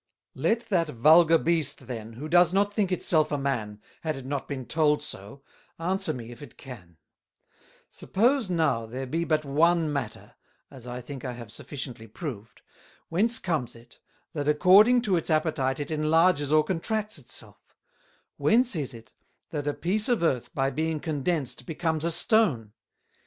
"Let that vulgar Beast, then, who does not think it self a Man, had it not been told so, answer me if it can: Suppose now there be but one Matter, as I think I have sufficiently proved; whence comes it, that according to its Appetite it enlarges or contracts its self; whence is it, that a piece of Earth by being Condensed becomes a Stone?